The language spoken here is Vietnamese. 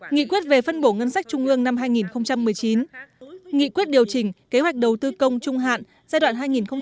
nghị quyết về phân bổ ngân sách trung ương năm hai nghìn một mươi chín nghị quyết điều chỉnh kế hoạch đầu tư công trung hạn giai đoạn hai nghìn một mươi sáu hai nghìn hai mươi